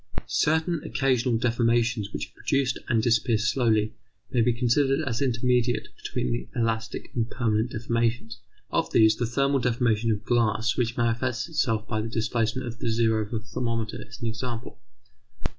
Certain occasional deformations which are produced and disappear slowly may be considered as intermediate between elastic and permanent deformations. Of these, the thermal deformation of glass which manifests itself by the displacement of the zero of a thermometer is an example.